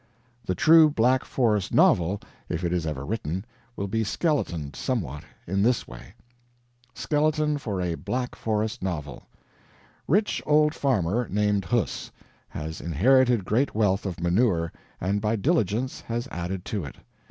The true Black Forest novel, if it is ever written, will be skeletoned somewhat in this way: SKELETON FOR A BLACK FOREST NOVEL Rich old farmer, named Huss. Has inherited great wealth of manure, and by diligence has added to it.